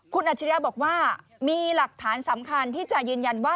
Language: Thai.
คุณอัจฉริยะบอกว่ามีหลักฐานสำคัญที่จะยืนยันว่า